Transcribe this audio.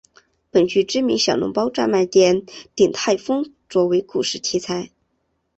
本剧知名小笼包专卖店鼎泰丰做为故事题材。